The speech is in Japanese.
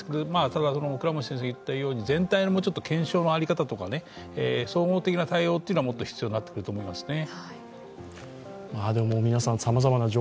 ただ、倉持先生が言ったように、全体の検証とか、在り方、総合的な対応はもっと必要になってくると思いますね。